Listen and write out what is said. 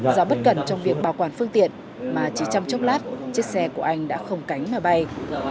do bất cẩn trong việc bảo quản phương tiện mà chỉ trong chốc lát chiếc xe của anh đã không cánh mà bay